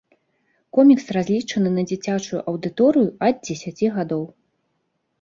Комікс разлічаны на дзіцячую аўдыторыю ад дзесяці гадоў.